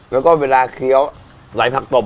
แล้วก็เวลาเคี้ยวไหลผักตบ